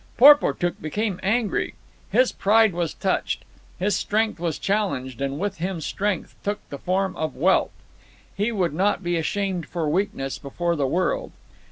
Porportuk became angry. His pride was touched; his strength was challenged, and with him strength took the form of wealth. He would not be ashamed for weakness before the world.